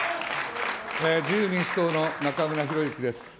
自由民主党の中村裕之です。